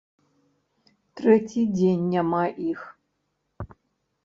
Трэці дзень няма іх.